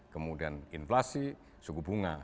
kemudian inflasi suku bunga